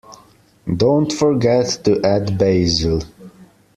Don't forget to add Basil.